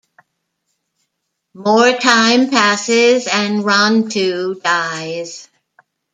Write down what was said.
More time passes and Rontu dies.